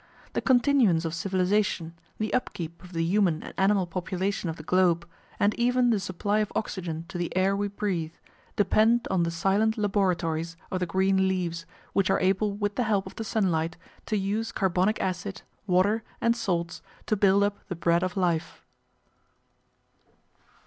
The continuance of civilisation, the upkeep of the human and animal population of the globe, and even the supply of oxygen to the air we breathe, depend on the silent laboratories of the green leaves, which are able with the help of the sunlight to use carbonic acid, water, and salts to build up the bread of life.